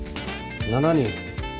７人。